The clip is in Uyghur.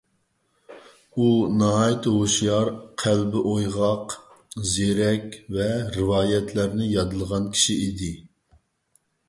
ئۇ ناھايىتى ھوشيار، قەلبى ئويغاق، زېرەك ۋە رىۋايەتلەرنى يادلىغان كىشى ئىدى.